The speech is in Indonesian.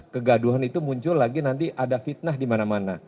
kegaduhan itu muncul lagi nanti ada fitnah dimana mana